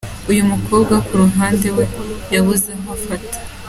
Uyu mukobwa wo kuruhande we yabuze aho afata.